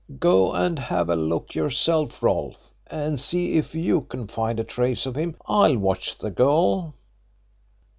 Go and have a look yourself, Rolfe, and see if you can find a trace of him. I'll watch the girl."